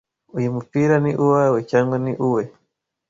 Uyu mupira ni uwawe cyangwa ni uwe?